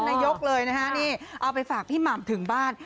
นายกเลยนะฮะนี่เอาไปฝากพี่หม่ำถึงบ้าน